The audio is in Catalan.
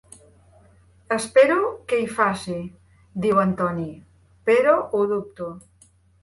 "Espero que hi faci", diu en Toni, "però ho dubto".